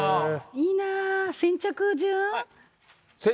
いいなぁ、先着順？